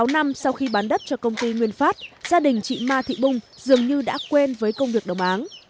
sáu năm sau khi bán đất cho công ty nguyên phát gia đình chị ma thị bung dường như đã quên với công việc đồng áng